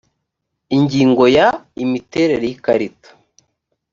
ingingoya imiterere y ikarita